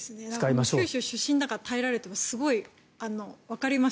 九州出身だから耐えられるとかすごくわかります。